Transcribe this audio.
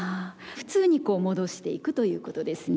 普通に戻していくということですね。